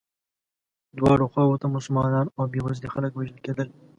دواړو خواوو ته مسلمانان او بیوزلي خلک وژل کېدل.